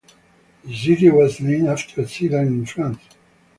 The city was named after Sedan, in France.